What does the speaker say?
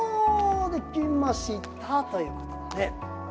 できましたということだね。